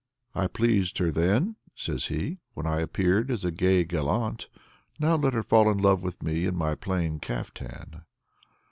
"I pleased her then," says he, "when I appeared as a gay gallant; now let her fall in love with me in my plain caftan."